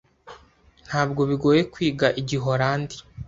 Ntabwo bigoye kwiga Igiholandi.